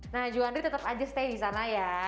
nah juandri tetap aja stay di sana ya